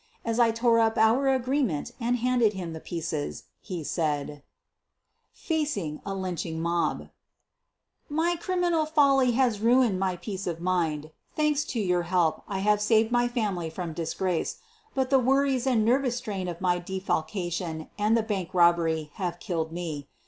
As I tore up our agreement and handed him the pieces, he said : FACING A LYNCHING MOB "My criminal folly has ruined my peace of mind. Thanks to your help, I have saved my family from disgrace, but the worries and nervous strain of my defalcation and the bank robbery have killed me.